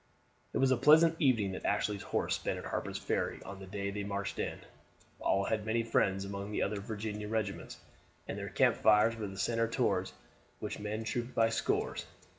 It was a pleasant evening that Ashley's horse spent at Harper's Ferry on the day they marched in. All had many friends among the other Virginian regiments, and their camp fires were the center toward which men trooped by scores.